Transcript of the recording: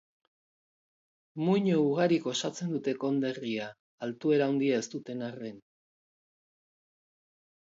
Muino ugarik osatzen dute konderria, altuera handia ez duten arren.